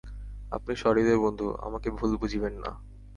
আপনি সহৃদয় বন্ধু, আমাকে ভুল বুঝিবেন না।